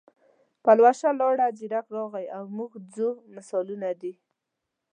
پلوشه لاړه، زیرک راغی او موږ ځو مثالونه دي.